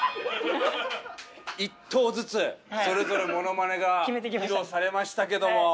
１投ずつそれぞれモノマネが披露されましたけども。